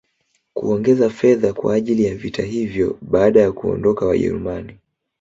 kuongeza fedha kwa ajili ya vita hivyo Baada ya kuondoka wajerumani